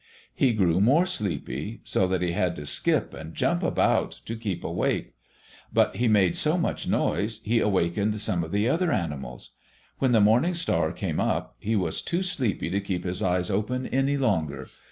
He grew more sleepy, so that he had to skip and jump about to keep awake. But he made so much noise, he awakened some of the other animals. When the morning star came up, he was too sleepy to keep his eyes open any longer.